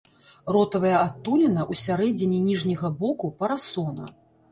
Ротавая адтуліна ў сярэдзіне ніжняга боку парасона.